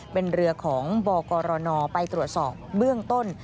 เป็นเรือของบอร์กอรอนอร์ไปตรวจสอบเบื้องต้น